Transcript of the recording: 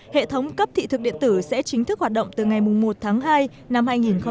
hệ thống cấp thị thực điện tử sẽ chính thức hoạt động từ ngày một tháng hai năm hai nghìn hai mươi